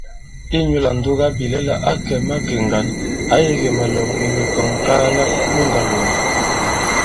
Inyū lā ǹdugabìlɛla ǎ kɛ̀ i makè ŋgǎn, ǎ yī kì màlɔ̀ŋ nì mikɔ̀ŋŋkaala loŋgàlòŋgà.